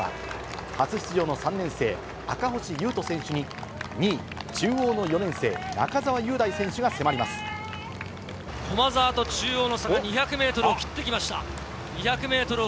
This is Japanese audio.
初出場の３年生、赤星雄斗選手に、２位、中央の４年生、駒澤と中央の差が２００メートルを切ってきました。